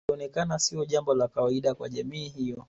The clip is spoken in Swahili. Ilionekana sio jambo la kawaida kwa jamii hiyo